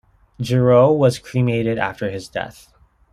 Giroux was Cremated after his death.